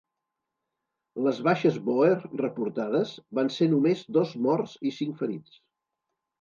Les baixes bòer reportades van ser només dos morts i cinc ferits.